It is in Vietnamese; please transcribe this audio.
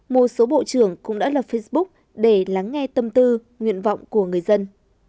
một số bộ trưởng cũng đã lập facebook để lắng nghe tâm tư nguyện vọng của người dân